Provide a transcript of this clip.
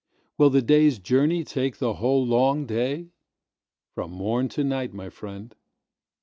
Will the day's journey take the whole long day? From morn to night, my friend.